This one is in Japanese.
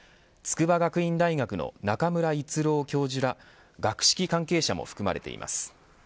筑波学院大学の中村逸郎教授ら学識関係者も含まれています。